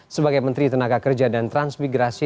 sebagai menteri tenaga kerja dan transmigrasi